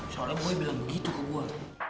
soalnya boy bilang begitu ke gue